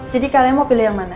jadi kalian mau pilih yang mana